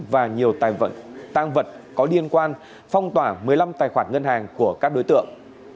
và nhiều tăng vật có liên quan phong tỏa một mươi năm tài khoản ngân hàng của các đối tượng